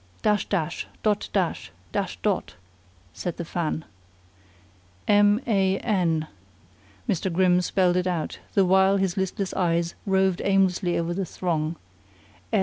"Dash dash! Dot dash! Dash dot!" said the fan. "M a n," Mr. Grimm spelled it out, the while his listless eyes roved aimlessly over the throng.